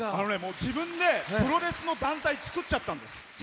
自分でプロレスの団体作っちゃったんです。